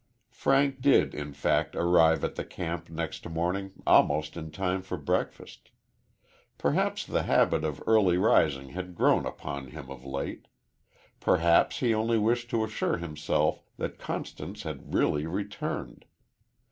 Frank did, in fact, arrive at the camp next morning almost in time for breakfast. Perhaps the habit of early rising had grown upon him of late. Perhaps he only wished to assure himself that Constance had really returned.